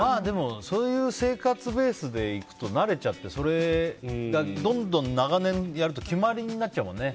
そういう生活ベースでいくと慣れちゃってそれがどんどん長年やると決まりになっちゃうからね。